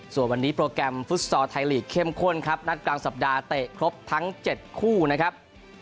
ส่วนวันนี้โปรแกรมฟุตซอร์ไทยลีกเข้มข้นครับนัดกลางสัปดาห์เตะครบทั้ง๗คู่นะครับ